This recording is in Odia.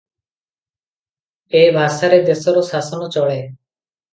ଏ ଭାଷାରେ ଦେଶର ଶାସନ ଚଳେ ।